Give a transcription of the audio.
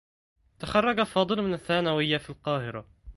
تخرّج فاضل من الثّانوية في القاهرة.